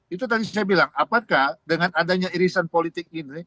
itu tadi saya bilang apakah dengan adanya irisan politik ini